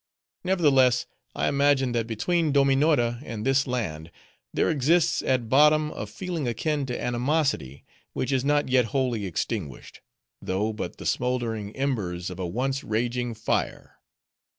Nevertheless, I imagine, that between Dominora and this land, there exists at bottom a feeling akin to animosity, which is not yet wholly extinguished; though but the smoldering embers of a once raging fire.